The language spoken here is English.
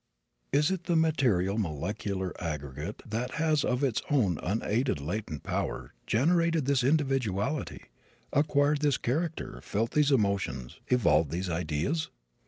"Is it the material molecular aggregate that has of its own unaided latent power generated this individuality, acquired this character, felt these emotions, evolved these ideas?